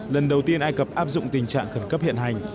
lần đầu tiên ai cập áp dụng tình trạng khẩn cấp hiện hành